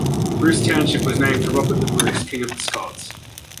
Bruce Township was named for Robert the Bruce, King of the Scots.